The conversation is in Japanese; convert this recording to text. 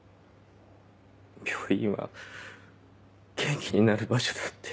病院は元気になる場所だって。